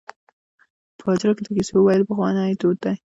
په حجره کې د کیسو ویل پخوانی دود دی.